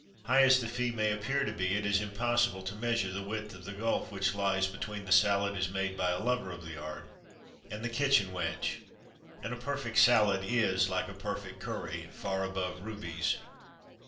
High as the fee may appear to be, it is impossible to measure the width of the gulf which lies between the salad as made by a lover of the art, and the kitchen wench; and a perfect salad is, like a perfect curry, "far above rubies."